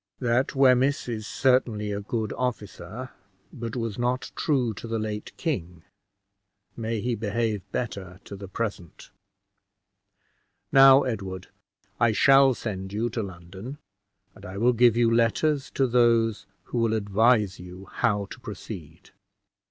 That Wemyss is certainly a good officer, but was not true to the late king: may he behave better to the present! Now, Edward, I shall send you to London, and I will give you letters to those who will advise you how to proceed.